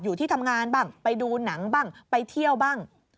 อยู่ที่ทำงานบ้างไปดูหนังบ้างไปเที่ยวบ้าง